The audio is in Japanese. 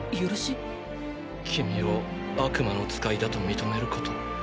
君を悪魔の使いだと認めること。